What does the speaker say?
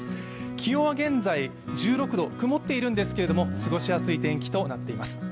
気温は現在１６度、曇っているんですけれども過ごしやすい天気となっています。